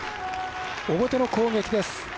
表の攻撃です。